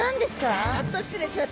じゃあちょっと失礼します。